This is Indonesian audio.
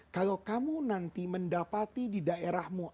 kalau kamu nanti mendapati di daerahmu